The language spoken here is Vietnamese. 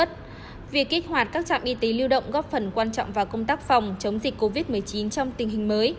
các trạm y tế lưu động góp phần quan trọng vào công tác phòng chống dịch covid một mươi chín trong tình hình mới